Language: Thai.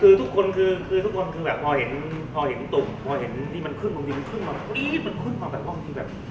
คือทุกคนคือทุกคนคือแบบพอเห็นพอเห็นตุ่มพอเห็นนี่มันขึ้นบางทีมันขึ้นมากรี๊ดมันขึ้นมาแบบห้องที่แบบ